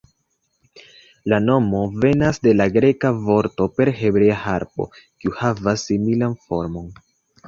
La nomo venas de la greka vorto por hebrea harpo, kiu havas similan formon.